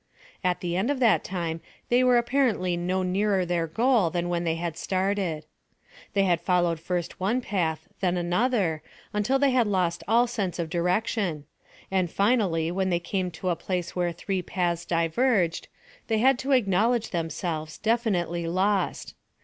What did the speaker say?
At the end of that time they were apparently no nearer their goal than when they had started. They had followed first one path, then another, until they had lost all sense of direction, and finally when they came to a place where three paths diverged, they had to acknowledge themselves definitely lost.